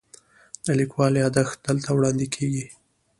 د لیکوال یادښت دلته وړاندې کیږي.